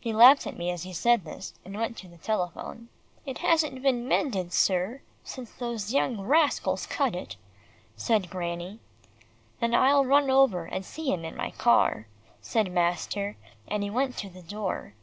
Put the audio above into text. He laughed at me as he said this, and went to the telephone. "It hasn't been mended, sir, since those young rascals cut it," said Granny. "Then I'll run over and see him in my car," said master, and he went to the door.